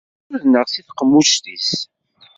Bɣiɣ ad tt-sudneɣ di tqemmuct-is.